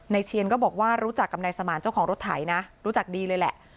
เชียนก็บอกว่ารู้จักกับนายสมานเจ้าของรถไถนะรู้จักดีเลยแหละ